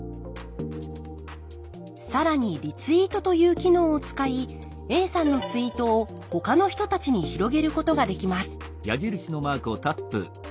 更にリツイートという機能を使いＡさんのツイートをほかの人たちに広げることができます